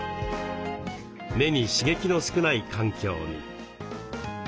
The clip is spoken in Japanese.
目に刺激の少ない環境に。